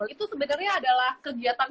itu sebenernya adalah kegiatan